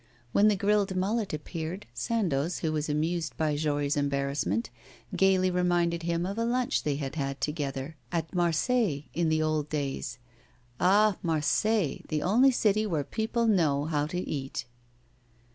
When the grilled mullet appeared, Sandoz, who was amused by Jory's embarrassment, gaily reminded him of a lunch they had had together at Marseilles in the old days. Ah! Marseilles, the only city where people know how to eat!